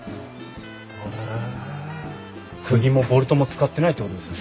くぎもボルトも使ってないってことですよね。